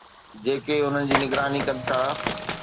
جيڪي انهن جي نگراني ڪن ٿا